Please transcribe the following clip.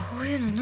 何？